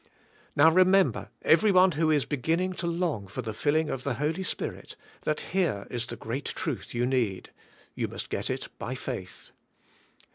" Now remember, everyone who is beginning to long for the filling of the Holy Spirit, that here is the great truth you need, you must get it by faith.